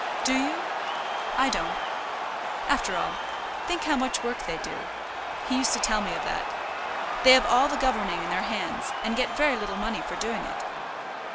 "Do you? I don't. After all, think how much work they do. He used to tell me of that. They have all the governing in their hands, and get very little money for doing it."